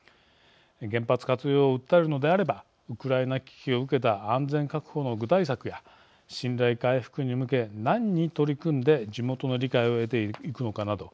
原発活用を訴えるのであればウクライナ危機を受けた安全確保の具体策や信頼回復に向け、何に取り組んで地元の理解を得ていくのかなど